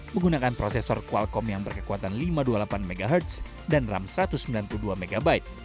menggunakan prosesor qualcom yang berkekuatan lima ratus dua puluh delapan mhz dan ram satu ratus sembilan puluh dua mb